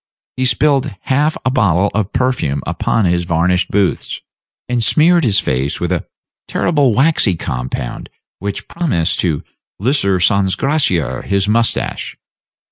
He spilled half a bottleful of perfume upon his varnished boots, and smeared his face with a terrible waxy compound which promised to lisser sans graisser his mustache.